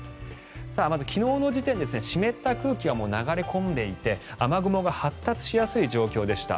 まず昨日時点で湿った雨雲は流れ込んでいて雨雲が発達しやすい状況でした。